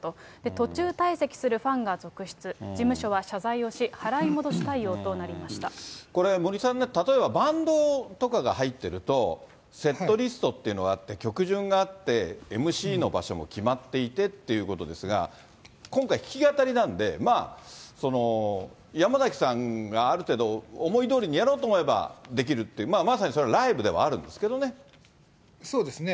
途中退席するファンが続出、事務所は謝罪をし、払い戻し対応となこれ、森さんね、例えばバンドとかが入ってると、セットリストっていうのがあって、曲順があって、ＭＣの場所も決まっていてっていうことですが、今回、弾き語りなんで、山崎さんがある程度、思いどおりにやろうと思えばできるって、まさにそれはライブではそうですね。